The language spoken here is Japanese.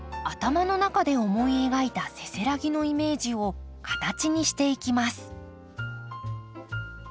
頭の中で思い描いたせせらぎのイメージを形にしていきます。